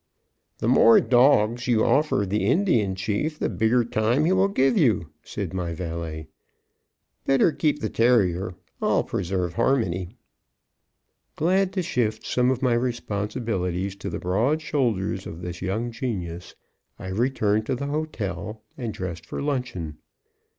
"The more dogs you offer the Indian Chief, the bigger time he will give you," said my valet. "Better keep the terrier; I'll preserve harmony." Glad to shift some of my responsibilities to the broad shoulders of this young genius, I returned to the hotel and dressed for luncheon.